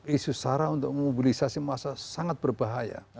isu sarah untuk memobilisasi masa sangat berbahaya